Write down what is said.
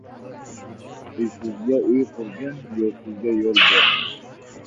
Uysizga – uy qurgin, yo‘lsizga – yo‘l ber